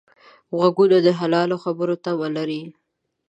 غوږونه د حلالو خبرو تمه لري